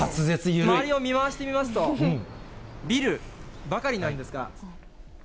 周りを見回してみますと、ビルばかりなんですが。